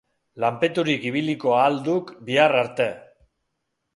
Lanpeturik ibiliko ahal duk bihar arte.